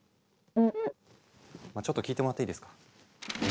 まちょっと聞いてもらっていいですか？